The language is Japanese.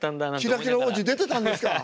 キラキラ王子出てたんですか。